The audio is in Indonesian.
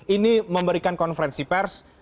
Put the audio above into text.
ini memberikan konferensi pers